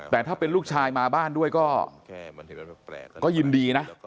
แต่ถ้าเป็นลูกชายมาบ้านด้วยก็ยินดีนะ